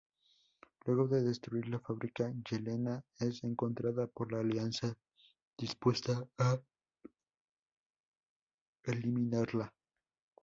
Luego de destruir la fábrica, Yelena es encontrada por la Alianza, dispuesta a eliminarla.